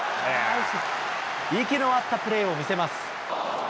息の合ったプレーを見せます。